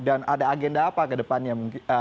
dan ada agenda apa ke depannya